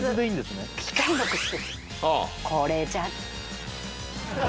これじゃ。